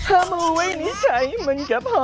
เอ้อดูนี่แหละ